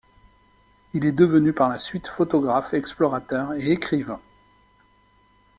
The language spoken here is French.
Il est devenu par la suite photographe, explorateur et écrivain.